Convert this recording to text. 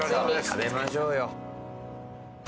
食べましょうよ。